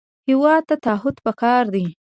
هېواد ته تعهد پکار دی